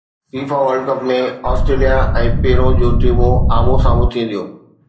FIFA world cup ۾ Australia ۽ Peru جون ٽيمون آمهون سامهون ٿينديون